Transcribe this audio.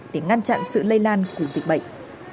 để ngăn chặn sự lây lan của dịch bệnh